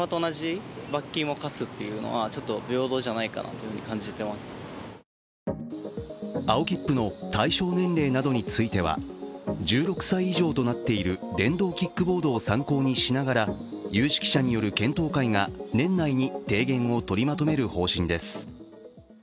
自転車の利用者は青切符の対象年齢などについては１６歳以上となっている電動キックボードを参考にしながら有識者による検討会が年内に提言を取りまとめる方針です。